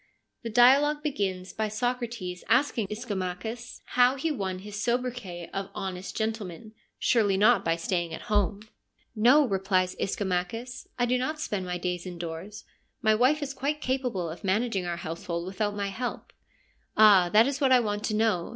The dialogue begins by Socrates asking Ischomachus how he won his sobri quet of • honest gentleman '— surely not by staying at home !' No,' replies Ischomachus, ' I do not spend my days indoors : my wife is quite capable of managing our household without my help.' ' Ah, that is what I want to know.